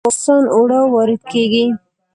د پاکستان اوړه وارد کیږي.